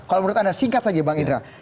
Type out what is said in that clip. kalau menurut anda singkat saja bang indra